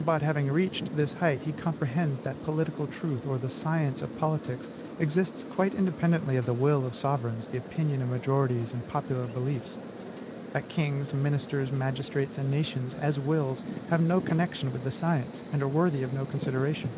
But, having reached this height, he comprehends that political truth, or the science of politics, exists quite independently of the will of sovereigns, the opinion of majorities, and popular beliefs, that kings, ministers, magistrates, and nations, as wills, have no connection with the science, and are worthy of no consideration.